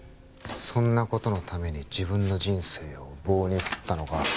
そんなことのために自分の人生を棒に振ったのか？